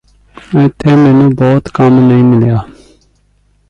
ਇੱਥੇ ਮੈਨੂੰ ਬਹੁਤਾ ਕੰਮ ਨਹੀਂ ਮਿਲਿਆ